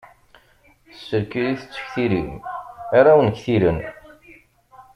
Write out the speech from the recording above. S lkil i tettektilim, ara wen-ktilen.